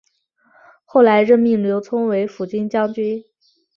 后来任命刘聪为抚军将军。